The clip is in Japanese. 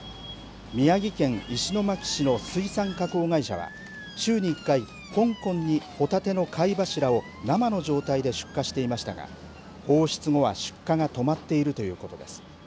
宮城県石巻市の水産加工会社は週に１回、香港に帆立ての貝柱は生の状態で出荷していましたが放出後は出荷が止まっているということです。